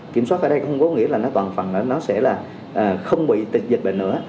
kiểm soát ở đây không có nghĩa là nó toàn phần nó sẽ là không bị dịch bệnh nữa